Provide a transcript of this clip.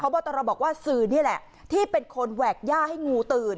บอตรบอกว่าสื่อนี่แหละที่เป็นคนแหวกย่าให้งูตื่น